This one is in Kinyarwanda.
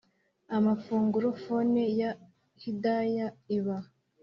amafunguro phone ya hidaya iba